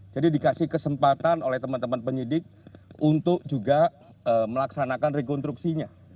jadi dikasih kesempatan oleh teman teman penyidik untuk juga melaksanakan rekonstruksinya